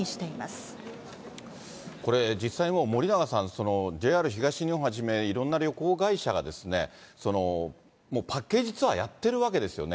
これ、実際もう、森永さん、ＪＲ東日本をはじめ、いろんな旅行会社がですね、もうパッケージツアーやってるわけですよね。